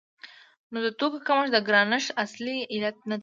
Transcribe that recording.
نو د توکو کمښت د ګرانښت اصلي علت نه دی.